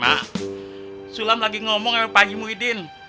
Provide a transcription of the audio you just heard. mak sulam lagi ngomong sama pak haji muhyiddin